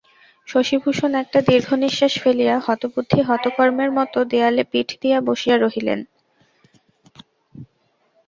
শশিভূষণ একটা দীর্ঘনিশ্বাস ফেলিয়া হতবুদ্ধি হতকর্মের মতো দেয়ালে পিঠ দিয়া বসিয়া রহিলেন।